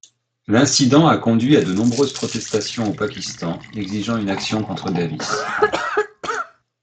L'incident a conduit à de nombreuses protestations au Pakistan exigeant une action contre Davis.